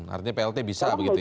artinya plt bisa begitu ya